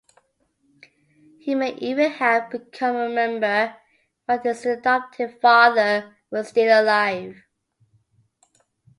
He may even have become a member while his adoptive father was still alive.